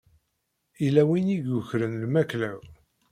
Yella win i yukren lmakla-w.